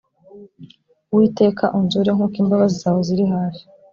uwiteka unzure nk’uko imbabazi zawe ziri hafi